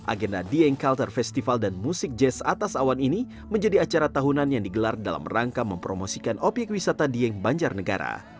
agenda dieng culture festival dan musik jazz atas awan ini menjadi acara tahunan yang digelar dalam rangka mempromosikan obyek wisata dieng banjarnegara